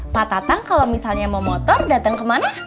pak tatang kalau misalnya mau motor datang kemana